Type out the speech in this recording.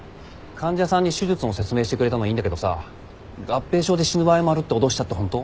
患者さんに手術の説明してくれたのはいいんだけどさ合併症で死ぬ場合もあるって脅したって本当？